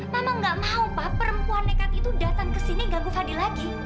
mama nggak mau pa perempuan nekat itu datang ke sini ganggu fadil lagi